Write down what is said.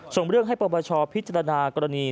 ส่งเรื่องให้ปปชพิจารณากรณี